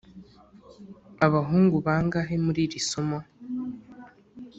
abahungu bangahe muri iri somo?